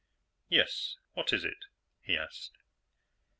"Yes? What is it?" he asked.